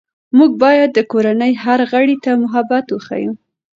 موږ باید د کورنۍ هر غړي ته محبت وښیو